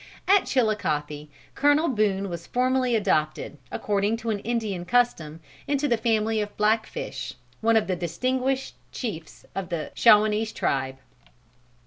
At Chilicothe, Colonel Boone was formally adopted, according to an Indian custom, into the family of Blackfish, one of the distinguished chiefs of the Shawanese tribe.